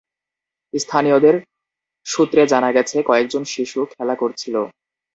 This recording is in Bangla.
স্থানীয়দের সূত্রে জানা গেছে, কয়েক জন শিশু খেলা করছিল।